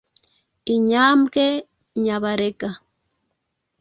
inyambwe e nyabarega,